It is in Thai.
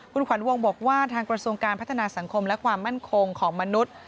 คุณขวัญวงบอกว่าทางกระทรวงการพัฒนาสังคมและความมั่นคงของมนุษย์